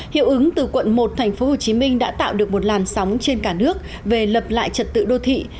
hiệu ứng từ quận một tp hcm đã tạo được một làn sóng trên cả nước về lập lại trật tự đô thị